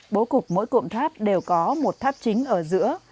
bố cục mỗi cụm tháp đều có một tháp chính ở giữa